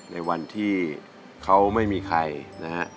ในวันที่เขาไม่มีใครนะฮะ